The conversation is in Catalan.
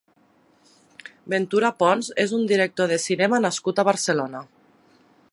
Ventura Pons és un director de cinema nascut a Barcelona.